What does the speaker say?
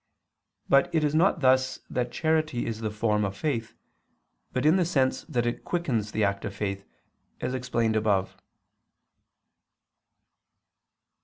But it is not thus that charity is the form of faith, but in the sense that it quickens the act of faith, as explained above.